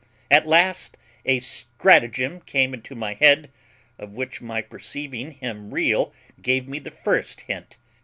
At last a stratagem came into my head, of which my perceiving him reel gave me the first hint.